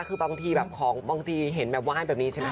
คือบางทีแบบของบางทีเห็นแบบไหว้แบบนี้ใช่ไหม